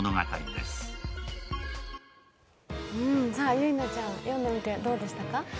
ゆいなちゃん、読んでみてどうでしたか？